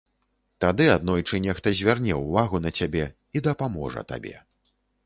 Тады аднойчы нехта зверне ўвагу на цябе і дапаможа табе.